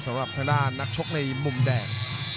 สำหรับทางด้านนักชกในมุมแดง